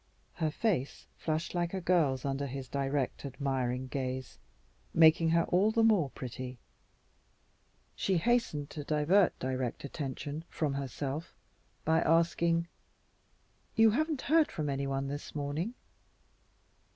Her face flushed like a girl's under his direct, admiring gaze, making her all the more pretty. She hastened to divert direct attention from herself by asking, "You haven't heard from anyone this morning?"